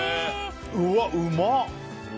うわ、うまっ！